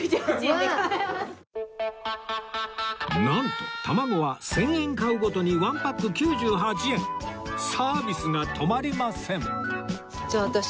なんと卵は１０００円買うごとに１パック９８円サービスが止まりません！